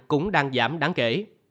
cũng đang giảm đáng kể